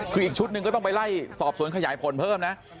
คืออีกชุดหนึ่งก็ต้องไปไล่สอบสวนขยายผลเพิ่มนะ